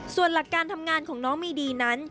ส่วนหลักการทำงานของน้องมีดีนั้น